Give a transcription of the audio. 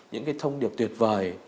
những cái thông điệp tuyệt vời